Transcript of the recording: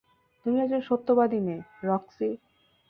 তুমি একজন সত্যবাদী মেয়ে, রক্সি।